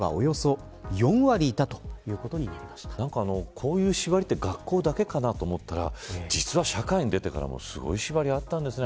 こういう縛りって学校だけかなと思ったら実は社会に出てからも、すごい縛りがあったんですね